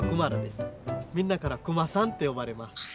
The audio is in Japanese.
みんなからクマさんって呼ばれます。